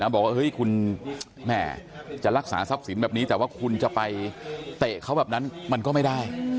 บอกว่าคุณแม่จะรักษาทรัพย์สินแบบนี้แต่ว่าคุณจะไปเตะเขาแบบนั้นมันก็ไม่ได้